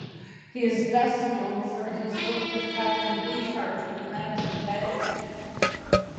He is best known for his work with Captain Beefheart and The Magic Band.